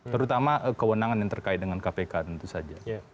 terutama kewenangan yang terkait dengan kpk tentu saja